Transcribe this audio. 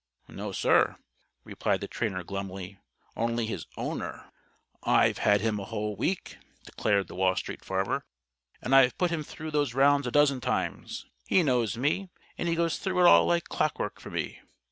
"No, sir," replied the trainer, glumly. "Only his owner." "I've had him a whole week," declared the Wall Street Farmer, "and I've put him through those rounds a dozen times. He knows me and he goes through it all like clockwork for me.